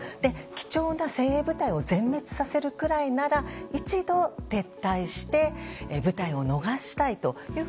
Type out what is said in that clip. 貴重な先鋭部隊を全滅させるくらいなら一度、撤退して部隊を逃したいという